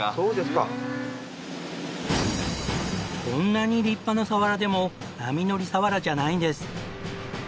こんなに立派なサワラでも波乗り鰆じゃないんです。